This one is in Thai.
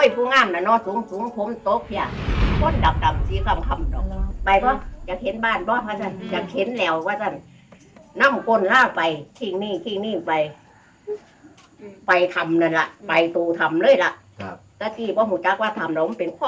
แปลงดีของรัฐศาสตร์